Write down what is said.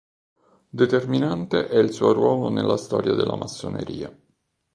Determinante è il suo ruolo nella storia della Massoneria.